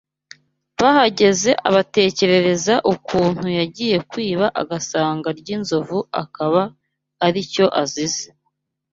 Bahageze abatekerereza ukuntu yagiye kwiba agasanga ry’inzovu akaba ari cyo azize